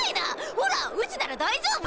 ほらうちなら大丈夫！